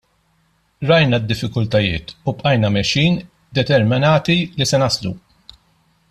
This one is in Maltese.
Rajna d-diffikultajiet u bqajna mexjin determinati li se naslu.